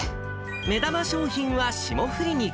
目玉商品は霜降り肉。